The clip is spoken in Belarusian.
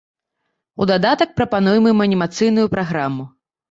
У дадатак прапануем ім анімацыйную праграму.